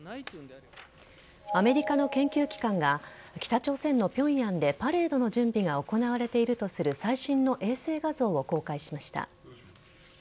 アメリカの研究機関が北朝鮮のピョンヤンでパレードの準備が行われているとする、最新の衛星画像を公開しました。